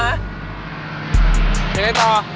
ยังไงต่อ